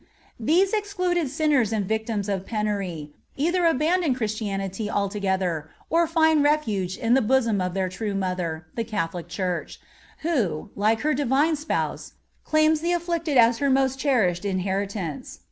These excluded sinners and victims of penury either abandon Christianity altogether, or find refuge in the bosom of their true Mother, the Catholic Church, who, like her Divine Spouse, claims the afflicted as her most cherished inheritance.